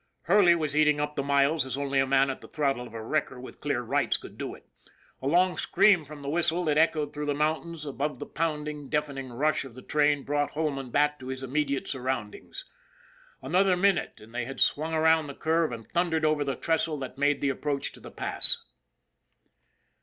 Hurley was eating up the miles as only a man at the throttle of a wrecker with clear rights could do it. A long scream from the whistle that echoed through the mountains above the pounding, deafening rush of the train brought Holman back to his immediate surround ings. Another minute and they had swung round the curve and thundered over the trestle that made the approach to the Pass.